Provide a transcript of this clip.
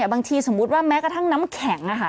สมมุติว่าแม้กระทั่งน้ำแข็ง